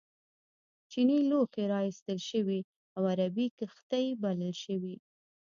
چینی لوښي را ایستل شوي او عربي کښتۍ بلل شوي.